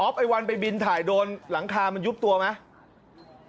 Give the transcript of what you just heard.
ไอ้วันไปบินถ่ายโดนหลังคามันยุบตัวไหม